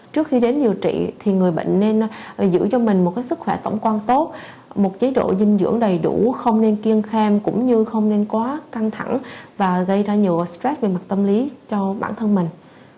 trước khi đến điều trị thì người bệnh nên giữ cho mình một sức khỏe tổng quan tốt một chế độ dinh dưỡng đầy đủ không nên kiên kham cũng như không nên quá căng thẳng và gây ra nhiều stress về mặt tâm lý cho bản thân mình